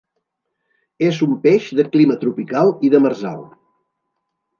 És un peix de clima tropical i demersal.